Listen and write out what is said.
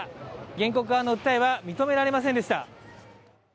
原告側の訴えは認められませんでした。